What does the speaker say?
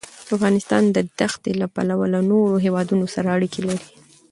افغانستان د دښتې له پلوه له نورو هېوادونو سره اړیکې لري.